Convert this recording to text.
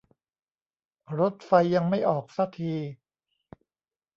รถไฟยังไม่ออกซะที